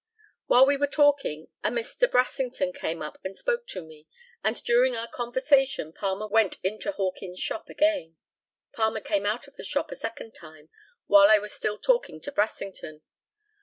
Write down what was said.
While we were talking, a Mr. Brassington came up and spoke to me, and during our conversation Palmer went into Hawkins' shop again. Palmer came out of the shop a second time, while I was still talking to Brassington.